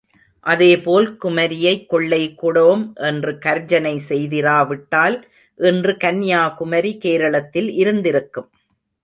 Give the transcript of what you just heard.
அதே போல் குமரியை கொள்ளை கொடோம் என்று கர்ஜனை செய்திரா விட்டால் இன்று கன்யாகுமரி கேரளத்தில் இருந்திருக்கும்.